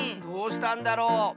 どうしたんだろう？